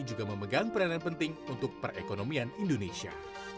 juga memegang peranan penting untuk perekonomian indonesia